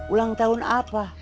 ulang tahun apa